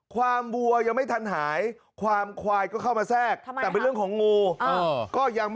ความวัวยังไม่ทันหายความควายก็เข้ามาแทรก